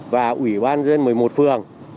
và ủy ban dân một mươi một phường